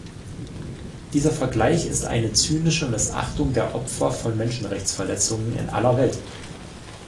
Dieser Vergleich ist eine zynische Missachtung der Opfer von Menschenrechtsverletzungen in aller Welt!